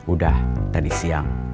udah tadi siang